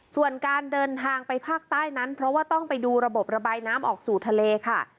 ส่วนการเดินทางไปภาคใต้นั้นเพราะว่าต้องไปดูระบบระบายน้ำออกสู่ทะเลค่ะ